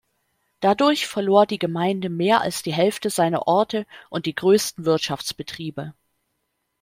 Dadurch verlor die Gemeinde mehr als die Hälfte seiner Orte und die größten Wirtschaftsbetriebe.